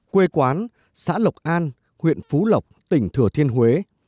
quê quán xã lộc an huyện phú lộc tỉnh thừa thiên huế